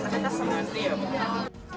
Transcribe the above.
kita semua diam